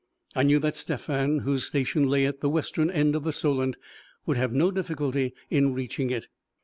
I knew that Stephan, whose station lay at the western end of the Solent, would have no difficulty in reaching it.